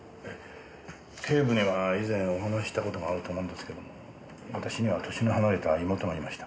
警部には以前お話しした事があると思うんですけれども私には歳の離れた妹がいました。